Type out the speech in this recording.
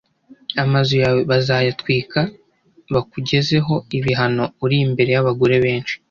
Amazu yawe bazayatwika bakugezeho ibihano uri imbere y’abagore benshi